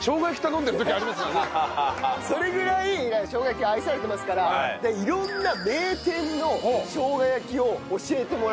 それぐらいしょうが焼きは愛されてますから色んな名店のしょうが焼きを教えてもらおうと。